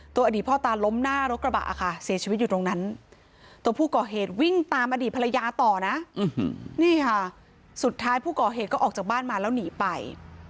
อดีตพ่อตาล้มหน้ารถกระบะค่ะเสียชีวิตอยู่ตรงนั้นตัวผู้ก่อเหตุวิ่งตามอดีตภรรยาต่อนะนี่ค่ะสุดท้ายผู้ก่อเหตุก็ออกจากบ้านมาแล้วหนีไป